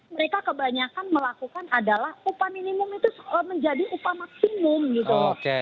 mereka kebanyakan melakukan adalah upah minimum itu menjadi upah maksimum gitu loh